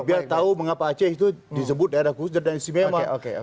biar tahu mengapa aceh disebut daerah khusus dan simema